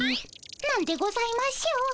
なんでございましょう。